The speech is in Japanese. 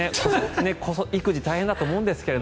育児大変だと思うんですが。